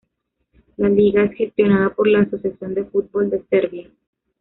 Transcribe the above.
La liga es gestionada por la Asociación de Fútbol de Serbia.